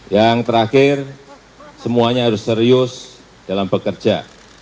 yang terakhir semuanya harus serius dalam bekerja